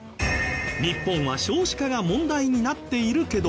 日本は少子化が問題になっているけど。